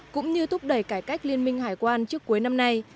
cũng như thúc đẩy cải cách liên minh hải quan trước cuối năm nay